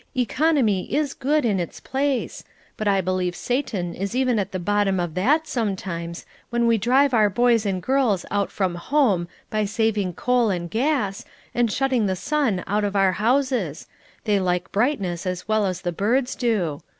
Economy is good in its place, but I believe Satan is even at the bottom of that sometimes, when we drive our boys and girls out from home by saving coal and gas, and shutting the sun out of our houses they like brightness as well as the birds do.